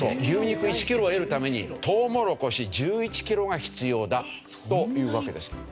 牛肉１キロを得るためにトウモロコシ１１キロが必要だというわけです。